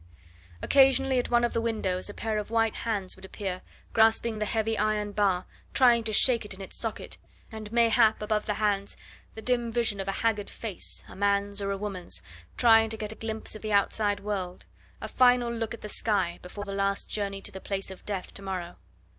Occasionally at one of the windows a pair of white hands would appear, grasping the heavy iron bar, trying to shake it in its socket, and mayhap, above the hands, the dim vision of a haggard face, a man's or a woman's, trying to get a glimpse of the outside world, a final look at the sky, before the last journey to the place of death to morrow.